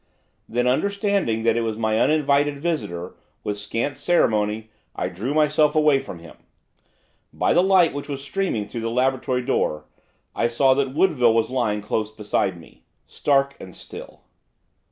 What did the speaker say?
Then, understanding that it was my uninvited visitor, with scant ceremony I drew myself away from him. By the light which was streaming through the laboratory door I saw that Woodville was lying close beside me, stark and still.